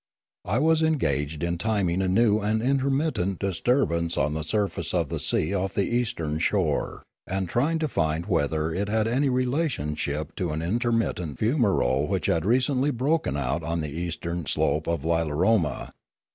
I was engaged in timing a new and intermittent disturbance on the sur face of the sea off the eastern shore, and trying to find whether it had any relationship to an intermittent fumarole which had recently broken out on the eastern slope of Lilaroma.